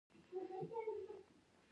د بانډار پاڼه مو تاریخ ته واړوله.